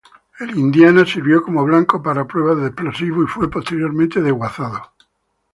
El "Indiana" sirvió como blanco para pruebas de explosivos y fue posteriormente desguazado.